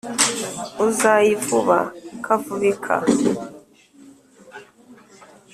uzayivuba kavubika,